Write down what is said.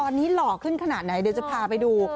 ตอนนี้หล่อขึ้นขนาดไหนเดี๋ยวจะพาไปดู